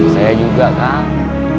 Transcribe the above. saya juga kang